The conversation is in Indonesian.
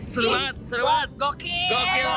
seru banget seru banget gokil